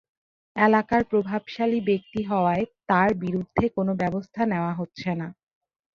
এলাকার প্রভাবশালী ব্যক্তি হওয়ায় তাঁর বিরুদ্ধে কোনো ব্যবস্থা নেওয়া হচ্ছে না।